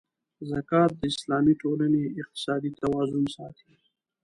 زکات د اسلامي ټولنې اقتصادي توازن ساتي.